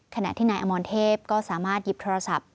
ขณะที่นายอมรเทพก็สามารถหยิบโทรศัพท์